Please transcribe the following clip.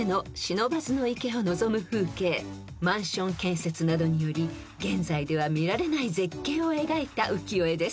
［マンション建設などにより現在では見られない絶景を描いた浮世絵です］